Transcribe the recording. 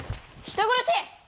人殺し！